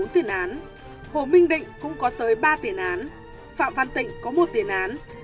bốn tiền án hồ minh định cũng có tới ba tiền án phạm văn tịnh có một tiền án